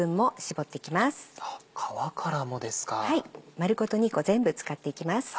丸ごと２個全部使っていきます。